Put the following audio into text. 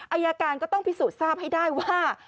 อายการก็ต้องพิสูจน์ทราบให้ได้ว่า